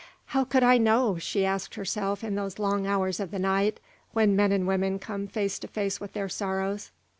"How could I know," she asked herself in those long hours of the night when men and women come face to face with their sorrows.